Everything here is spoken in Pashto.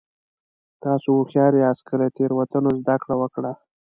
تاسو هوښیار یاست که له تېروتنو زده کړه وکړه.